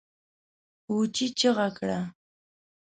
کوچي چيغه کړه!